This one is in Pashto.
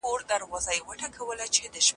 له حد څخه تیریدل لیونتوب دی.